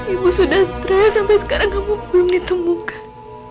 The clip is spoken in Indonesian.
ibu sudah stro sampai sekarang kamu belum ditemukan